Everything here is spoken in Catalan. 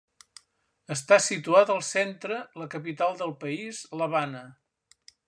Està situat al centre la capital del país, l'Havana.